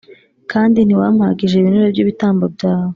kandi ntiwampagije ibinure by ibitambo byawe